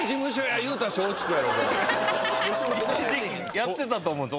やってたと思うんです。